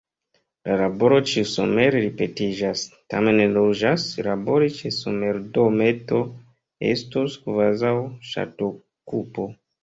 La laboro ĉiusomere ripetiĝas, tamen ne urĝas: labori ĉe somerdometo estu kvazaŭ ŝatokupo.